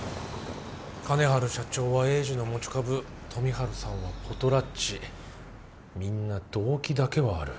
金治社長は栄治の持ち株富治さんはポトラッチみんな動機だけはある。